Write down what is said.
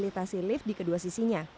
pembangunan di fasilitasi lift di kedua sisinya